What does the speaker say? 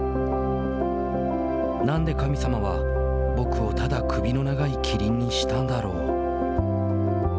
なんで神様は僕をただ首の長いキリンにしたんだろう。